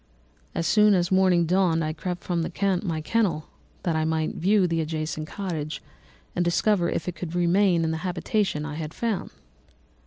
As soon as morning dawned I crept from my kennel, that I might view the adjacent cottage and discover if I could remain in the habitation I had found.